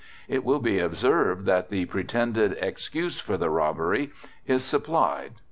It will be observed that the pretended excuse for the robbery is supplied.